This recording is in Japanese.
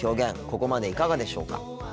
ここまでいかがでしょうか。